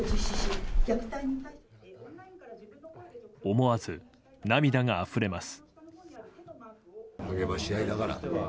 思わず涙があふれます。